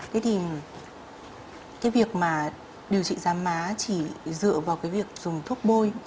thế thì cái việc mà điều trị giám má chỉ dựa vào cái việc dùng thuốc bôi